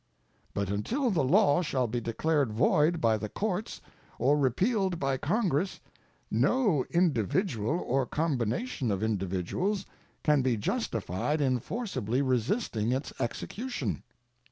But until the law shall be declared void by the courts or repealed by Congress no individual or combination of individuals can be justified in forcibly resisting its execution.